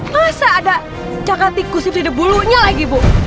masa ada caka tikus yang ada bulunya lagi bu